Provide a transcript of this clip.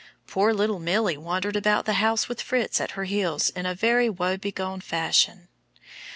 Poor little Milly wandered about the house with Fritz at her heels in a very woe begone fashion.